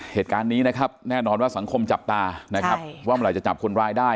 เหตุการณ์นี้นะครับแน่นอนว่าสังคมจับตานะครับว่าเมื่อไหร่จะจับคนร้ายได้